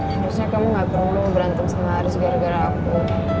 harusnya kamu gak perlu berantem sama harus gara gara aku